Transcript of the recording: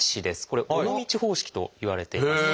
これ「尾道方式」といわれています。